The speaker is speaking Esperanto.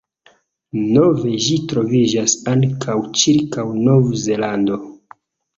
Nove ĝi troviĝas ankaŭ cirkaŭ Nov-Zelando.